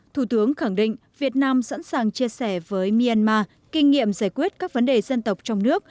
thủ tướng khẳng định việt nam sẵn sàng chia sẻ với myanmar kinh nghiệm giải quyết các vấn đề dân tộc trong nước